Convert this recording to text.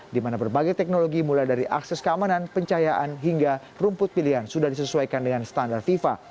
di mana berbagai teknologi mulai dari akses keamanan pencahayaan hingga rumput pilihan sudah disesuaikan dengan standar fifa